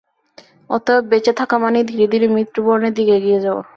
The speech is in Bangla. অতএব বেঁচে থাকা মানেই ধীরে ধীরে মৃত্যু বরণের দিকে এগিয়ে যাওয়া।